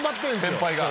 先輩が。